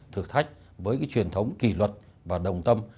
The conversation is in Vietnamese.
thử thách với cái truyền thống kỷ luật và đồng tâm